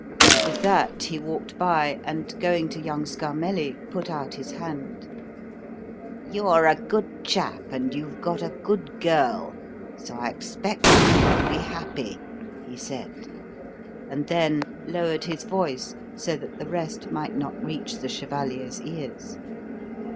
With that he walked by, and, going to young Scarmelli, put out his hand. "You're a good chap and you've got a good girl, so I expect you will be happy," he said; and then lowered his voice so that the rest might not reach the chevalier's ears.